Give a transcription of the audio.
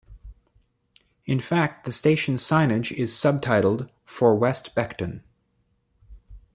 In fact the station signage is subtitled "For West Beckton".